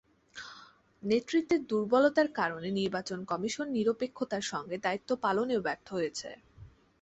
নেতৃত্বের দুর্বলতার কারণে নির্বাচন কমিশন নিরপেক্ষতার সঙ্গে দায়িত্ব পালনেও ব্যর্থ হয়েছে।